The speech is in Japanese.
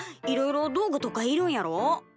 いろいろ道具とかいるんやろ？